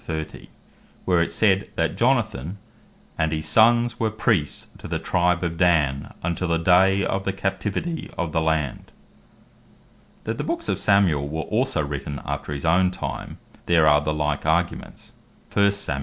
where it is said, that Jonathan "and his sonnes were Priests to the Tribe of Dan, untill the day of the captivity of the land." The Like Of The Bookes Of Samuel That the Books of Samuel were also written after his own time, there are the like arguments, 1 Sam.